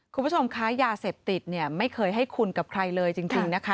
คุณผู้ชมคะยาเสพติดเนี่ยไม่เคยให้คุณกับใครเลยจริงนะคะ